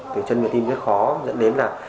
từ chân vào tim rất khó dẫn đến là